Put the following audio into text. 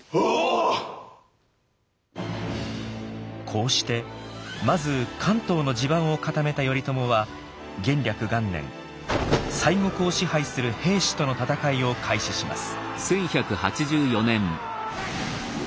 こうしてまず関東の地盤を固めた頼朝は元暦元年西国を支配する平氏との戦いを開始します。